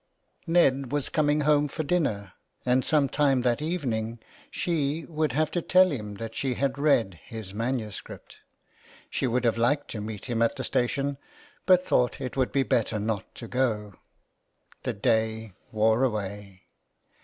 Ned was coming home for dinner, and some time that evening she would have to tell him that she had read his manuscript. She would have liked to meet him at the station, but thought it would be better not to go. The day wore away.